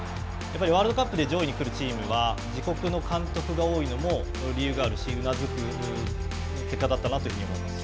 ワールドカップで上位に来るチームは自国の監督が多いのも理由があるし、うなずける結果だったなと思います。